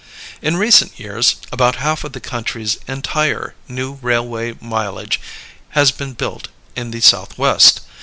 In recent years, about half of the country's entire new railway mileage has been built in the Southwest.